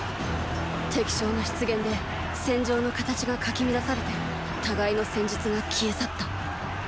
敵将の出現で戦場の形がかき乱されて互いの戦術が消えさった。